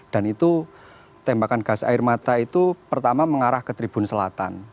dan itu tembakan gas air mata itu pertama mengarah ke tribun selatan